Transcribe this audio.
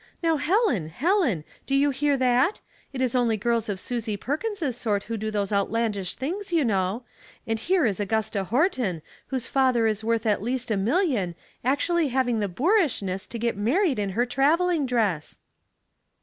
"Now, Helen, Helen! Do you hear that? It is only girls of Susy Perkins' sort who do those outlandish things, you know I and here is Augusta Horton, whose father is worth at least a million, actually having the boorishness to get married in her traveling dress."